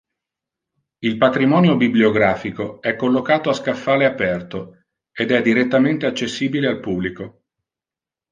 Il patrimonio bibliografico è collocato a scaffale aperto ed è direttamente accessibile al pubblico.